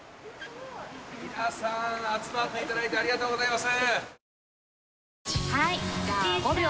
皆さん集まっていただいてありがとうございます。